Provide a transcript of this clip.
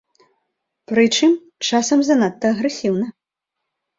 Прычым, часам занадта агрэсіўна.